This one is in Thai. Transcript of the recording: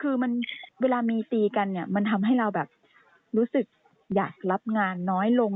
คือมันเวลามีตีกันเนี่ยมันทำให้เราแบบรู้สึกอยากรับงานน้อยลง